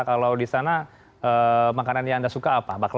kalau di sana makanan yang anda suka apa